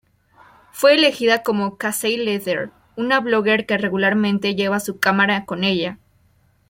Fue elegida como Casey Letter, una blogger que regularmente lleva su cámara con ella.